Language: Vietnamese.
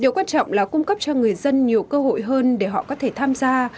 điều quan trọng là cung cấp cho người dân nhiều cơ hội hơn để họ có thể tham gia